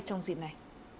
trong dịp này